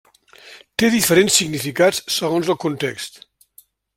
Té diferents significats segons el context.